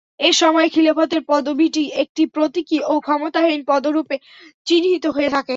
এ সময়ে খিলাফতের পদবীটি একটি প্রতীকী ও ক্ষমতাহীন পদরূপে চিহ্নিত হয়ে থাকে।